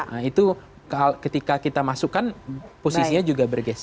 nah itu ketika kita masukkan posisinya juga bergeser